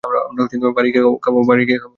আমরা বাড়ি গিয়ে খাবো।